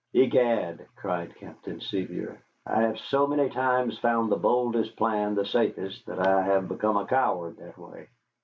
"Egad," cried Captain Sevier, "I have so many times found the boldest plan the safest that I have become a coward that way.